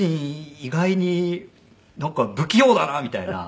意外に不器用だなみたいな。